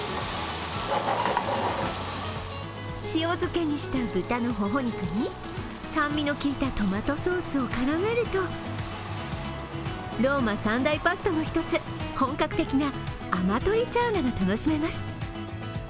塩漬けにした豚のホホ肉に酸味の効いたトマトソースを絡めるとローマ三大パスタの１つ、本格的なアマトリチャーナが楽しめます。